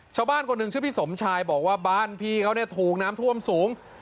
ชาวบ้านคนหนึ่งชื่อพี่สมชายบอกว่าบ้านพี่เขาเนี่ยถูกน้ำท่วมสูง